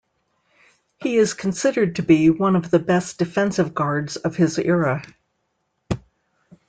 He is considered to be one of the best defensive guards of his era.